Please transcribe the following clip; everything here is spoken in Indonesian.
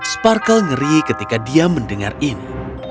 sparkle ngeri ketika dia mendengar ini